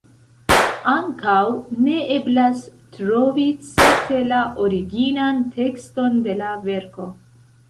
Ankaŭ ne eblas trovi certe la originan tekston de la verko.